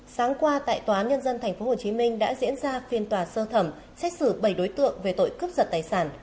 sáng qua tại tòa án nhân dân tp hcm đã diễn ra phiên tòa sơ thẩm xét xử bảy đối tượng về tội cướp giật tài sản